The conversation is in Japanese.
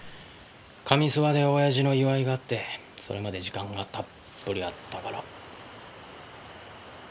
上諏訪で親父の祝いがあってそれまで時間がたっぷりあったから。